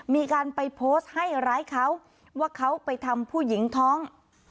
มีการไปโพสต์ให้ร้ายเขาว่าเขาไปทำผู้หญิงท้อง